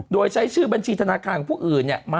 โดยใช้ชื่อบัญชีธนาคารของผู้อื่น